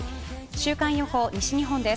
週間予報、西日本です。